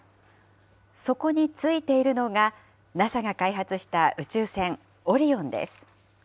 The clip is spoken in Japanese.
そこについているのが、ＮＡＳＡが開発した宇宙船オリオンです。